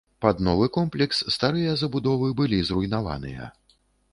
Пад новы комплекс старыя забудовы былі зруйнаваныя.